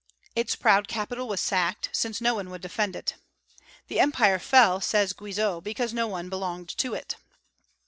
Its proud capital was sacked, since no one would defend it. "The Empire fell," says Guizot, "because no one belonged to it."